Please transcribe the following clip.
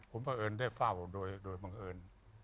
ผมประเอิญได้ฝ่าออกโดยบังเอิญ